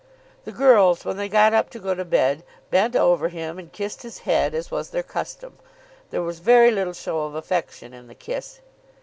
The girls, when they got up to go to bed, bent over him and kissed his head, as was their custom. There was very little show of affection in the kiss.